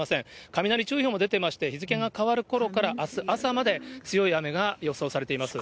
雷注意報も出てまして、日付が変わるころからあす朝まで、強い雨が予想されています。